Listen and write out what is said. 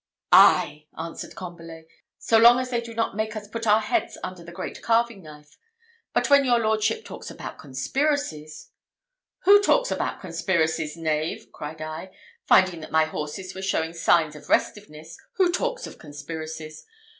"Ay!" answered Combalet, "so long as they do not make us put our heads under the great carving knife; but when your lordship talks about conspiracies " "Who talks about conspiracies, knave?" cried I, "finding that my horses were showing signs of restiveness who talks of conspiracies?